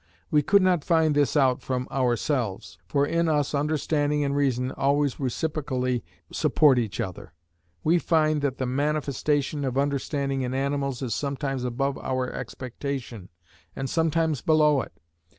We could not find this out from ourselves, for in us understanding and reason always reciprocally support each other. We find that the manifestation of understanding in animals is sometimes above our expectation, and sometimes below it.